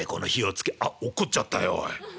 あっ落っこっちゃったよおい。